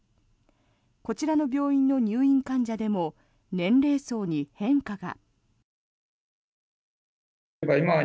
こちらの病院の入院患者でも年齢層に変化が。